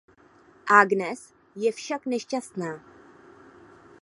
Agnes je však nešťastná.